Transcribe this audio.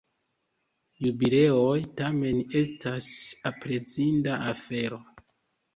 Jubileoj, tamen, estas aprezinda afero.